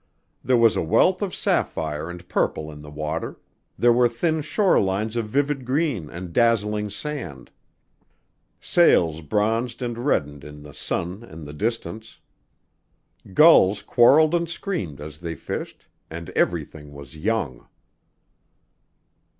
There was a wealth of sapphire and purple in the water; there were thin shore lines of vivid green and dazzling sand. Sails bronzed and reddened in the sun and the distance. Gulls quarreled and screamed as they fished and everything was young.